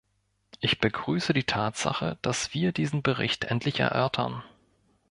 Ich begrüße die Tatsache, dass wir diesen Bericht endlich erörtern.